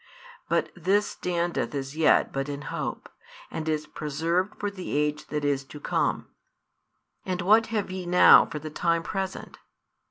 But this standeth as yet but in hope, and is preserved for the age that is to come. And what have ye now for the time present?